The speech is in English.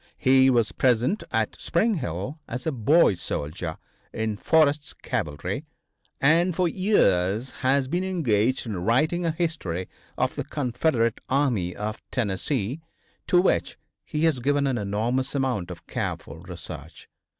He was present at Spring Hill as a boy soldier in Forrest's cavalry, and for years has been engaged in writing a history of the Confederate Army of Tennessee, to which he has given an enormous amount of careful research.